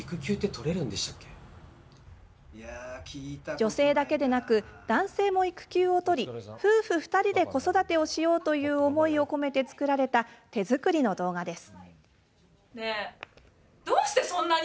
女性だけでなく男性も育休を取り夫婦２人で子育てをしようという思いを込めて作られた手作りの動画です。